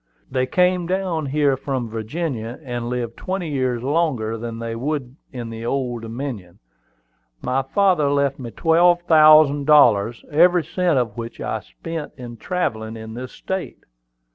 "They came down here from Virginia, and lived twenty years longer than they would in the Old Dominion. My father left me twelve thousand dollars, every cent of which I spent in travelling in this state.